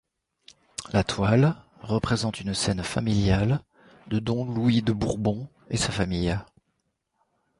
La toile représente une scène familiale de Don Louis de Bourbon, et sa famille.